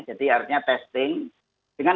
jadi artinya testing dengan